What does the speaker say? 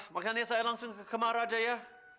makanya saya langsung ke kamar aja ya